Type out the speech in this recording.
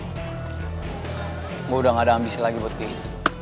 gua udah nggak ada ambisi lagi buat keli